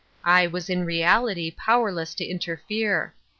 I was in reality powerless to interfere.